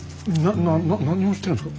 な何をしてるんすか？